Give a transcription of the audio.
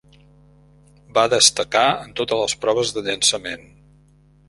Va destacar en totes les proves de llançament.